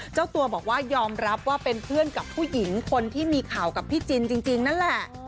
เจ้าตัวบอกว่ายอมรับว่าเป็นเพื่อนกับผู้หญิงคนที่มีข่าวกับพี่จินจริงนั่นแหละ